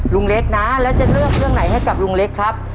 ลุงเล็กนะแล้วจะเลือกเรื่องไหนให้กับลุงเล็กครับ